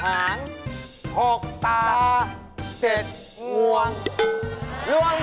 รวมกันก็เป็น๔ขา๕หาง๖ตา๗งวง